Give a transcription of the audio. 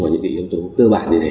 vào những yếu tố cơ bản